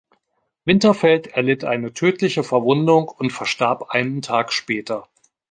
Winterfeldt erlitt eine tödliche Verwundung und verstarb einen Tag später.